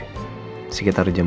hasil tes dna reina dan roy